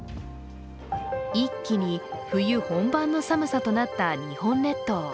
一気に、冬本番の寒さとなった日本列島。